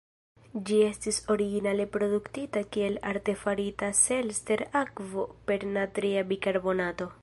Ĝi estis originale produktita kiel artefarita Selters-akvo per natria bikarbonato.